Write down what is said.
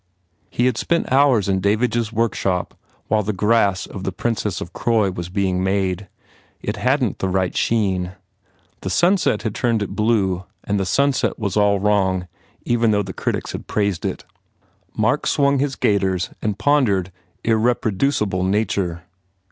He had spent hours in Davidge s workshop while the grass of "The Princess of Croy" was being made. It hadn t the right sheen. The sunset had turned it blue and the sunset was all wrong even though the critics had praised it. Mark swung his gaiters and pondered irreproducible nature.